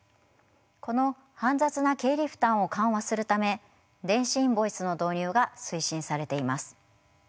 この煩雑な経理負担を緩和するため電子インボイスの導入が推進されています。